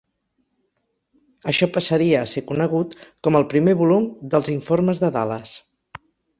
Això passaria a ser conegut com el primer volum dels "informes de Dallas".